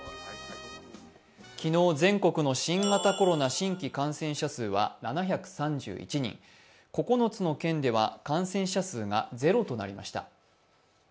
昨日、全国の新型コロナ新規感染者数は７３１人、９つの県では感染者数がゼロとなりました。